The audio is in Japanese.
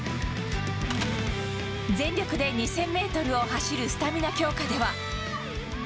全力で２０００メートルを走るスタミナ強化では。